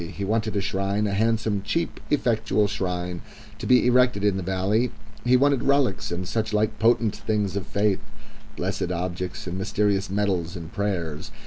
He wanted a shrine a handsome, cheap, effectual shrine to be erected in the valley; he wanted relics and such like potent things of faith, blessed objects and mysterious medals and prayers.